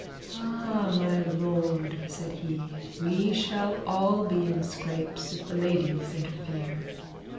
'Ah, my lord,' said he, 'we shall all be in scrapes if the ladies interfere.'